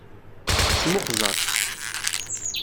Smuxẓer.